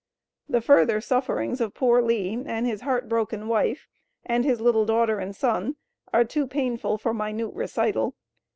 The further sufferings of poor Lee and his heart broken wife, and his little daughter and son, are too painful for minute recital.